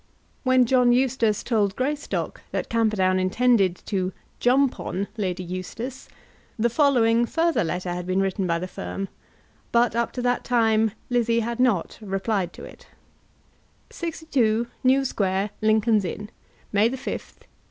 When John Eustace told Greystock that Camperdown intended to "jump on" Lady Eustace, the following further letter had been written by the firm; but up to that time Lizzie had not replied to it: 62, New Square, Lincoln's Inn, May 5, 186